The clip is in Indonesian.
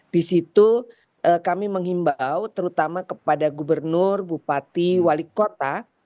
di situ kami menghimbau terutama kepada gubernur bupati wali kota